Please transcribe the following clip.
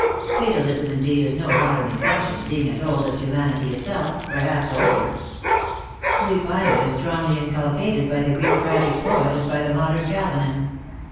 Fatal ism, indeed, is no modern invention, being as old as humanity itself, perhaps, older. We find it as strong ly inculcated by the Greek tragic poet, as by the modern Calvinist.